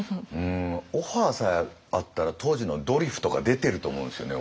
オファーさえあったら当時の「ドリフ」とか出てると思うんですよね